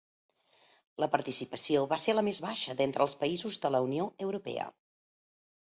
La participació va ser la més baixa d'entre els països de la Unió Europea.